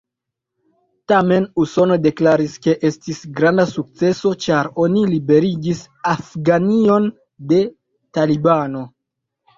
Tamen Usono deklaris, ke estis granda sukceso, ĉar oni liberigis Afganion de talibano.